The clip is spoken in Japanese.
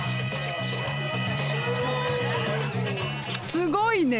すごいね！